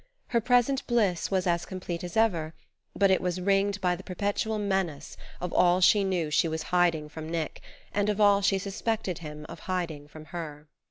Her present bliss was as complete as ever, but it was ringed by the perpetual menace of all she knew she was hiding from Nick, and of all she suspected him of hiding from her....